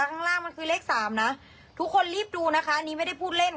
ข้างล่างมันคือเลขสามนะทุกคนรีบดูนะคะอันนี้ไม่ได้พูดเล่น